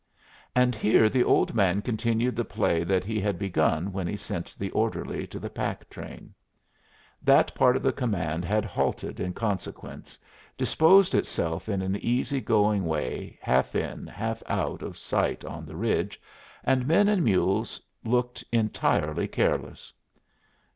And here the Old Man continued the play that he had begun when he sent the orderly to the pack train. That part of the command had halted in consequence, disposed itself in an easy going way, half in, half out of sight on the ridge, and men and mules looked entirely careless.